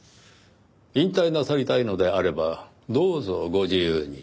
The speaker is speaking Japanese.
引退なさりたいのであればどうぞご自由に。